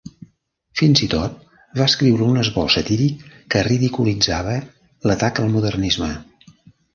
Fins i tot va escriure un esbós satíric que ridiculitzava l"atac al modernisme.